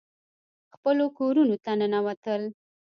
خپلو کورونو ته ننوتل.